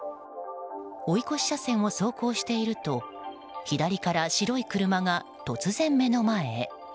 追い越し車線を走行していると左から白い車が突然、目の前へ。